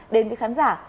đến với khán giả